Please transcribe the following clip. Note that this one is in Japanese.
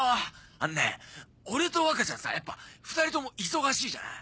あのね俺と若ちゃんさやっぱ２人とも忙しいじゃない。